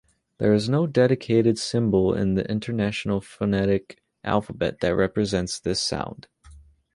There is no dedicated symbol in the International Phonetic Alphabet that represents this sound.